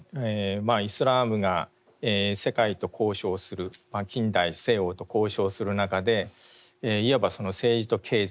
イスラームが世界と交渉する近代西欧と交渉する中でいわば政治と経済